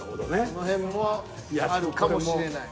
その辺もあるかもしれない。